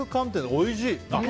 おいしい！